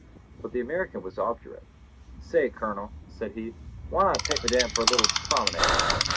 But the American was obdurate. "Say, Colonel," said he, "why not take Madame for a little promenade?